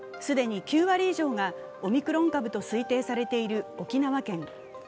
既に９割以上がオミクロン株と推定されている沖縄県。